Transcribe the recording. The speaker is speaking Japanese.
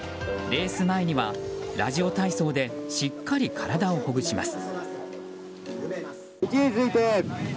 レース前には、ラジオ体操でしっかり体をほぐします。